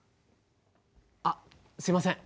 あっすいません。